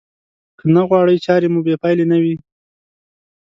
که نه غواړئ چارې مو بې پايلې نه وي.